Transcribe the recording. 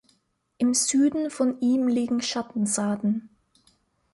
Im Süden von ihm liegen "Schattenseiten".